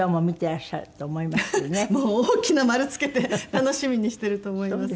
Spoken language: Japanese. もう大きな丸つけて楽しみにしてると思います。